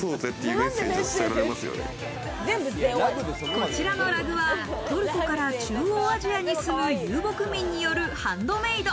こちらのラグは、トルコから中央アジアに住む遊牧民によるハンドメイド。